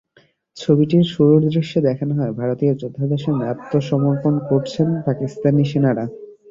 ছবিটির শুরুর দৃশ্যে দেখানো হয়, ভারতীয় যোদ্ধাদের সামনে আত্মসমর্পণ করছেন পাকিস্তানি সেনারা।